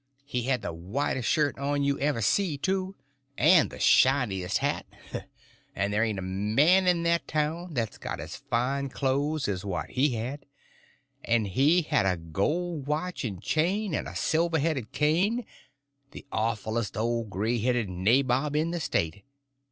He had the whitest shirt on you ever see, too, and the shiniest hat; and there ain't a man in that town that's got as fine clothes as what he had; and he had a gold watch and chain, and a silver headed cane—the awfulest old gray headed nabob in the State.